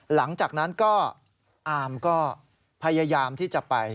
หลังจากนั้นก็อามก็พยายามที่จะไป